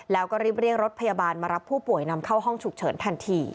แล้วก็รีบเรียกรถพยาบาลมารับผู้ป่วยนำเข้าห้องฉุกเฉินทันที